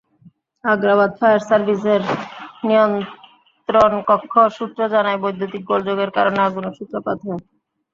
Agrabad fire সার্ভিসের নিয়ন্ত্রণকক্ষ সূত্র জানায়, বৈদ্যুতিক গোলযোগের কারণে আগুনের সূত্রপাত হয়।